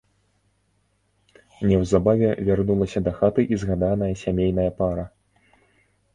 Неўзабаве вярнулася дахаты і згаданая сямейная пара.